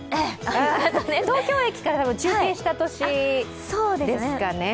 東京駅から中継した年ですかね。